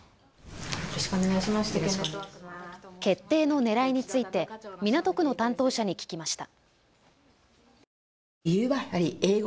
決定のねらいについて港区の担当者に聞きました。